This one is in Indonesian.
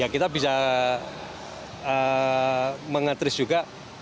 kita bisa mengetris juga